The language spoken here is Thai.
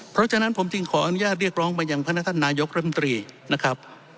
เพราะฉะนั้นผมจึงขออนุญาตเรียกร้องไปยังพนักท่านนายกรัมตรีนะครับ